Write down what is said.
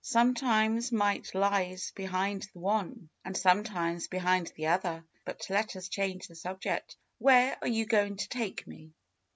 Sometimes might lies behind the one, and sometimes behind the other. But let us change the subject. Where are you going to take me?"